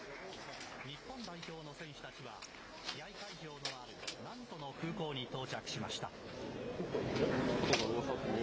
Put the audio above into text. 日本代表の選手たちは試合会場のあるナントの空港に到着しました。